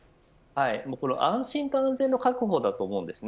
安心と安全の確保だと思います。